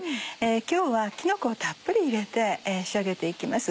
今日はきのこをたっぷり入れて仕上げて行きます。